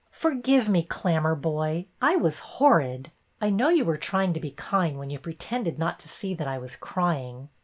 Forgive me, Clammerboy. I was horrid. I know you were trying to be kind when you pre tended not to see that I was crying.